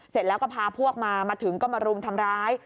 เสร็จแล้วก็พาพวกมามาถึงก็มารุมทำร้าย